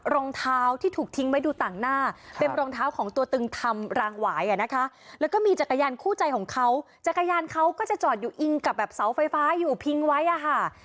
รองเท้าที่ถูกทิ้งไว้ดูต่างหน้าเป็นรองเท้าของตัวตึงทำรางหวายอ่ะนะคะแล้วก็มีจักรยานคู่ใจของเขาจักรยานเขาก็จะจอดอยู่อิงกับแบบเสาไฟฟ้าอยู่พิงไว้อ่ะค่ะ